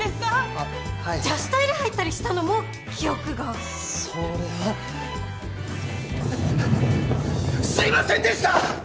あっはい女子トイレ入ったりしたのも記憶がそれはすいませんでした！